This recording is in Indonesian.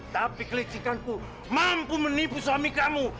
tapi kelicikanku mampu menipu suami kamu